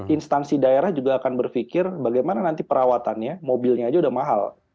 instansi daerah juga akan berpikir bagaimana nanti perawatannya mobilnya aja udah mahal